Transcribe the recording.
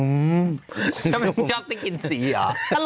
มันชอบชิคกี้พีดสีหรอ